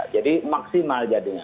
jadi maksimal jadinya